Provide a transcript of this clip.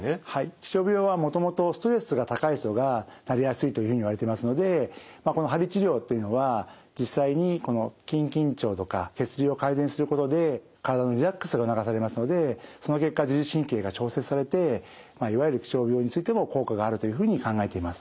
気象病はもともとストレスが高い人がなりやすいというふうにいわれていますのでこの鍼治療というのは実際にこの筋緊張とか血流を改善することで体のリラックスが促されますのでその結果自律神経が調節されていわゆる気象病についても効果があるというふうに考えています。